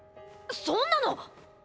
そんなの！